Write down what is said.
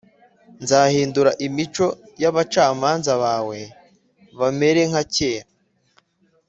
Nzahindura imico y’abacamanza bawe bamere nka kera,